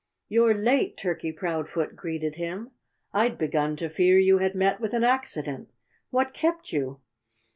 "You're late," Turkey Proudfoot greeted him. "I'd begun to fear that you had met with an accident. What kept you?"